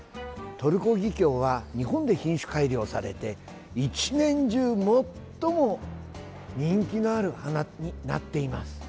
トルコギキョウは日本で品種改良されて１年中、最も人気のある花になっています。